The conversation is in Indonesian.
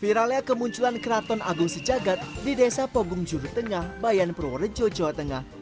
viralnya kemunculan keraton agung sejagat di desa pogung juru tengah bayan purworejo jawa tengah